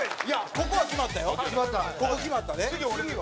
ここは決まったよ。